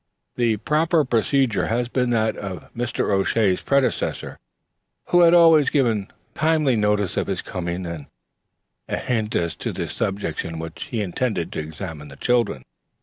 The proper procedure had been that of Mr. O'Shea's predecessor, who had always given timely notice of his coming and a hint as to the subjects in which he intended to examine the children.